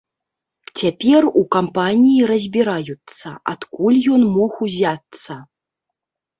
Цяпер у кампаніі разбіраюцца, адкуль ён мог узяцца.